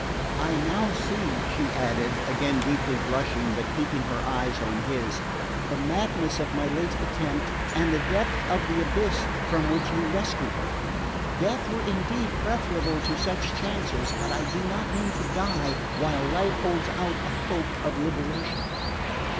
I now see," she added, again deeply blushing, but keeping her eyes on his, "the madness of my late attempt, and the depth of the abyss from which you rescued me. Death were indeed preferable to such chances; but I do not mean to die while life holds out a hope of liberation."